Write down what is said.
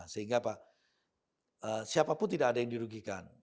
sehingga pak siapapun tidak ada yang dirugikan